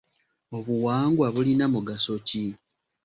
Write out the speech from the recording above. Obuwangwa bulina mugaso ki?